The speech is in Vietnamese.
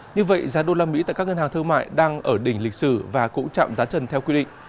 như vậy giá đô la mỹ tại các ngân hàng thương mại đang ở đỉnh lịch sử và cũng chạm giá trần theo quy định